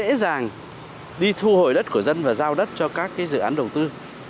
dễ dàng đi thu hồi đất của dân và giao đất cho các dự án đầu tư